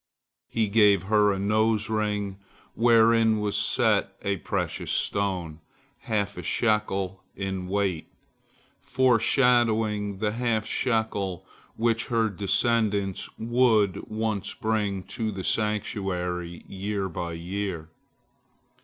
He gave her a nose ring, wherein was set a precious stone, half a shekel in weight, foreshadowing the half shekel which her descendants would once bring to the sanctuary year by year.